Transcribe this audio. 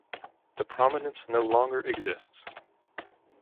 The prominence no longer exists.